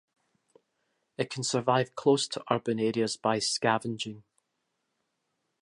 It can survive close to urban areas by scavenging.